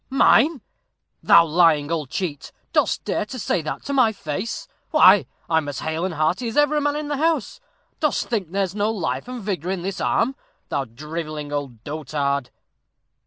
"Mine! thou lying old cheat dost dare to say that to my face? Why, I'm as hale and hearty as ever a man in the house. Dost think there's no life and vigor in this arm, thou drivelling old dotard?"